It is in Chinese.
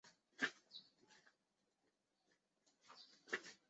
深学与浅学不一样、学为所用与学为‘装饰’不一样、自觉学用与被动学用不一样